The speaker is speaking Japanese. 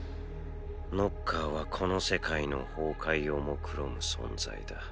ノッカーはこの世界の崩壊を目論む存在だ。